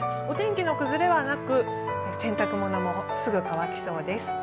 お天気の崩れはなく洗濯物もすぐ乾きそうです。